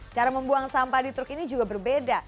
cara membuang sampah di truk ini juga berbeda